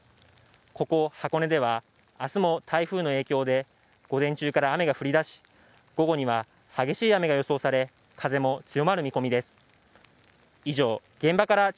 ここ箱根では、明日も台風の影響で午前中から雨が降り出し午後には激しい雨が予想され風も強まる見込みです。